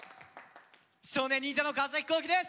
少年忍者の川皇輝です！